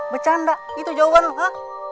bercanda itu jawaban lo ha